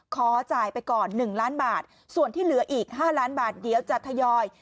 ขอจ่ายไปก่อน๑ล้านบาทส่วนที่เหลืออีก๕ล้านบาทเดี๋ยวจะทยอย